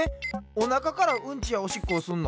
おなかからうんちやおしっこをすんの？